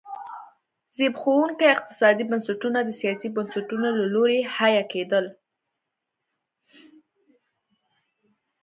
زبېښونکي اقتصادي بنسټونه د سیاسي بنسټونو له لوري حیه کېدل.